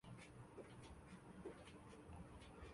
小叶粗筒苣苔为苦苣苔科粗筒苣苔属下的一个种。